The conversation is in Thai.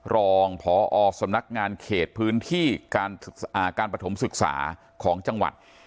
รองพอสำนักงานเขตพื้นที่การปฐมศึกษาของจังหวัด